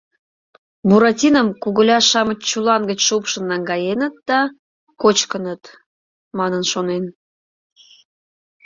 Буратином куголя-шамыч чулан гыч шупшын наҥгаеныт да кочкыныт, манын шонен.